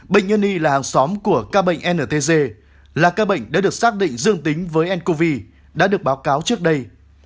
bệnh nhân y là hàng xóm của ca bệnh ntg là ca bệnh đã được xác định dương tính với ncov đã được báo cáo trước đây